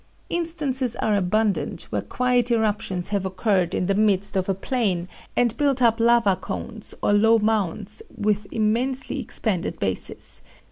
Instances are abundant where quiet eruptions have occurred in the midst of a plain, and built up 'lava cones,' or low mounds, with immensely expanded bases.